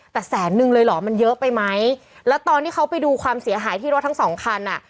แต่แสนนึงเลยเหรอมันเยอะไปไหมแล้วตอนที่เขาไปดูความเสียหายที่รถทั้งสองคันอ่ะ